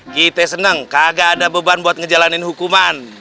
kita senang kagak ada beban buat ngejalanin hukuman